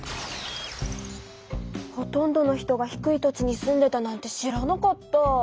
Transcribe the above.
ほとんどの人が低い土地に住んでたなんて知らなかった。